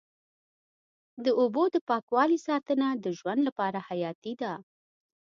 د اوبو د پاکوالي ساتنه د ژوند لپاره حیاتي ده.